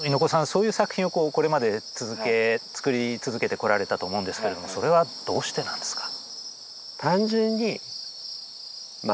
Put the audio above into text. そういう作品をこれまで作り続けてこられたと思うんですけれどもそれはどうしてなんですか？